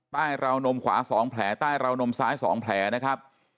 ราวนมขวา๒แผลใต้ราวนมซ้าย๒แผลนะครับ